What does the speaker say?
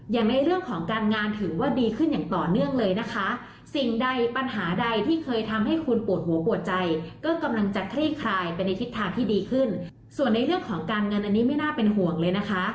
อย่างในเรื่องของการงานถือว่าดีขึ้นอย่างต่อเนื่องเลยนะคะ